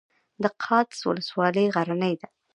د قادس ولسوالۍ غرنۍ ده